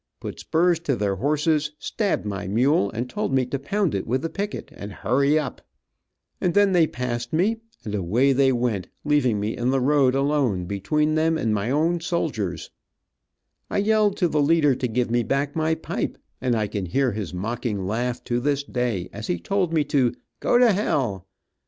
put spurs to their horses, stabbed my mule and told me to pound it with the picket, and hurry up, and then they passed me, and away they went, leaving me in the road alone between them and my own soldiers, I yelled to the leader to give me back my pipe, and I can hear his mocking laugh to this day, as he told me to "go to hell."